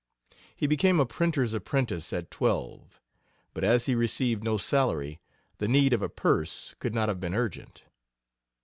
He became a printer's apprentice at twelve, but as he received no salary, the need of a purse could not have been urgent.